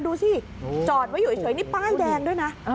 ดูสิจอดไว้อยู่เฉยนี่ป้ายแดงด้วยนะ